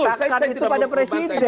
meletakkan itu pada presiden